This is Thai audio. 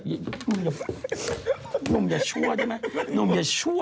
นุ่มยังชั่วใช่ไหมนุ่มยังชั่ว